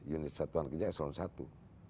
unit satuan kerja eselon i